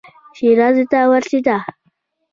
شیراز ته ورسېدی.